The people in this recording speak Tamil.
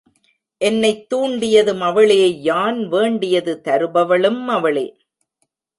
என்னைத் தூண்டியதும் அவளே யான் வேண்டியது தருபவளும் அவளே.